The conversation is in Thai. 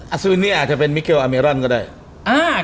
อัศวินนี่อาจจะเป็นมิเคลอาเมรอนก็ได้